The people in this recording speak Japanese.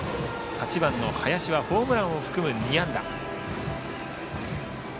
８番の林はホームランを含む、２安打。